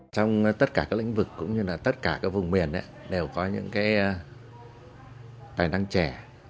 trong tất cả các lĩnh vực cũng như là tất cả các vùng miền đều có những tài năng trẻ